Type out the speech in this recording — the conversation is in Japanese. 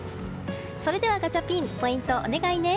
それではガチャピンポイントをお願いね。